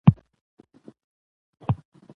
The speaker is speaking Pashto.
ژباړه باید د اصلي متن امانت وساتي.